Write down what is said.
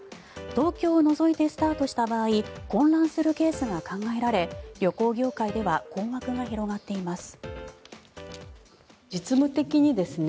東京を除いてスタートした場合混乱するケースが考えられ旅行業界では困惑が広がっています。